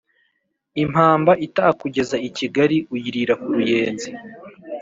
Impamba itazakugeza i Kigali uyirira ku Ruyenzi.